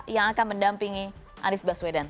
yang akan mendampingi anies baswedan